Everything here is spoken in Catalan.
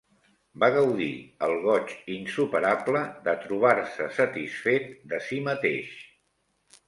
Va gaudir el goig insuperable de trobar-se satisfet de si mateix.